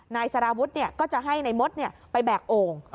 นายสารวุฒิก็จะให้นายมดไปแบกโอ่ง